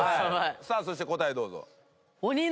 さあそして答えどうぞ。